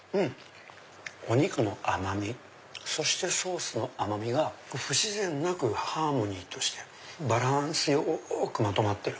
お肉の甘みそしてソースの甘みが不自然なくハーモニーとしてバランスよくまとまってる。